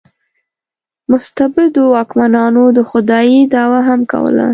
مستبدو واکمنانو د خدایي دعوا هم کوله.